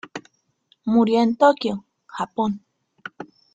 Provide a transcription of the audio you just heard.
Murió en Tokio, Japón.